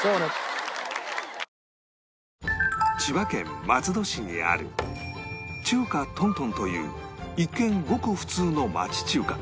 千葉県松戸市にある中華東東という一見ごく普通の町中華